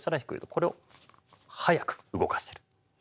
これを速く動かせるですね。